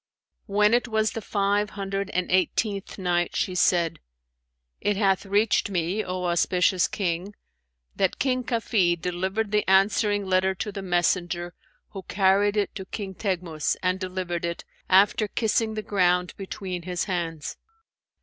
When it was the Five Hundred and Eighteenth Night, She said, It hath reached me, O auspicious King, that "King Kafid delivered the answering letter to the messenger who carried it to King Teghmus and delivered it, after kissing the ground between his hands.